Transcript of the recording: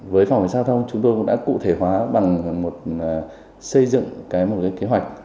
với phòng cảnh sát giao thông chúng tôi cũng đã cụ thể hóa bằng một xây dựng một kế hoạch